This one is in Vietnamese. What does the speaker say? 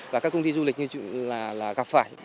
và các công ty du lịch như là gặp phải